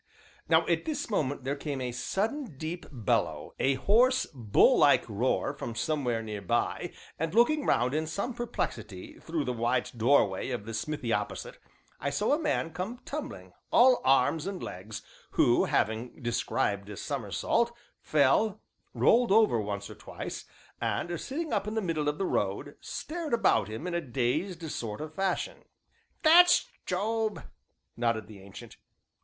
Now at this moment there came a sudden deep bellow, a hoarse, bull like roar from somewhere near by, and, looking round in some perplexity, through the wide doorway of the smithy opposite, I saw a man come tumbling, all arms and legs, who, having described a somersault, fell, rolled over once or twice, and sitting up in the middle of the road, stared about him in a dazed sort of fashion. "That's Job!" nodded the Ancient.